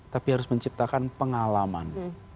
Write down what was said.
tapi harus menciptakan pengalaman